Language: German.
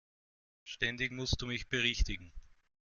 Ständig musst du mich berichtigen!